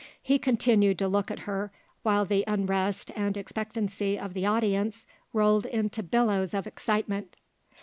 He continued to look at her while the unrest and expectancy of the audience rolled into billows of excitement.